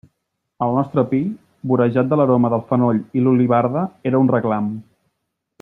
El nostre pi, vorejat de l'aroma del fenoll i l'olivarda, era un reclam.